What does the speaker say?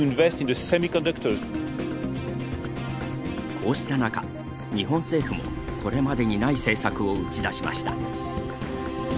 こうした中、日本政府もこれまでにない政策を打ち出しました。